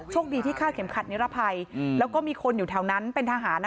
คดีที่ฆ่าเข็มขัดนิรภัยแล้วก็มีคนอยู่แถวนั้นเป็นทหาร